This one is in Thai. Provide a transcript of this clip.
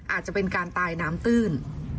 อาจจะเป็นการตายน้ำตื้น